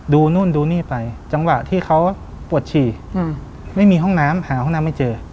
ดูนู่นดูนี่ไปจังหวะที่เขาปวดฉี่ไม่มีห้องน้ำหาห้องน้ำไม่เจอ